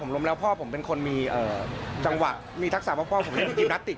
พ่อผมล้มแล้วพ่อผมเป็นคนมีจังหวะมีทักษะว่าพ่อผมเล่นกินกินัตติก